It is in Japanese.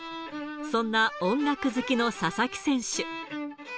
そんな音楽好きの佐々木選手。